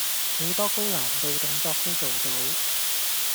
好多高難度動作都做到